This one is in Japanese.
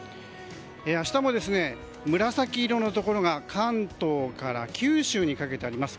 明日も、紫色のところが関東から九州にかけてあります。